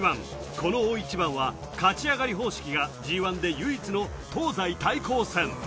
この大一番は勝ち上がり方式がＧ１で唯一の東西対抗戦。